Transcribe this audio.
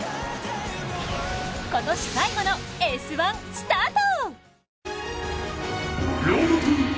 今年最後の「Ｓ☆１」スタート！